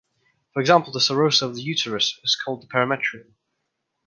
For example, the serosa of the uterus is called the perimetrium.